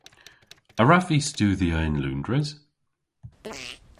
A wrav vy studhya yn Loundres?